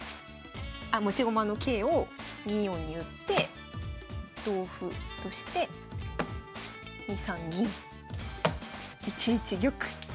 あ持ち駒の桂を２四に打って同歩として２三銀１一玉。